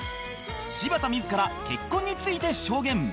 柴田自ら結婚について証言